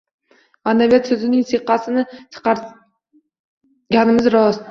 «Ma’naviyat» so‘zining siyqasini chiqarganimiz rost.